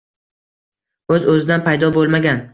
o‘z-o‘zidan paydo bo‘lmagan.